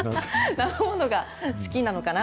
生ものが好きなのかな？